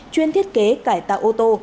chuyên thiết kế cải tạo ô tô